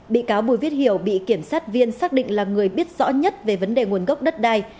bị cáo bùi viết hiểu bị kiểm sát viên xác định là người biết rõ nhất về vấn đề nguồn gốc đất đai